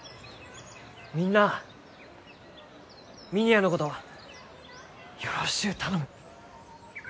みんなあ峰屋のことよろしゅう頼む。